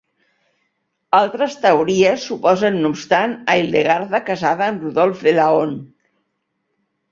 Altres teories suposen no obstant a Hildegarda casada amb Rodolf de Laon.